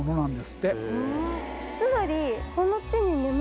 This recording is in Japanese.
つまり。